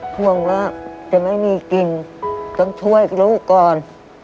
ห่วงว่าจะไม่มีกินต้องช่วยลูกก่อน